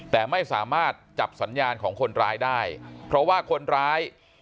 แต่ไม่สามารถจับสัญญาณของคนร้ายได้เพราะว่าคนร้าย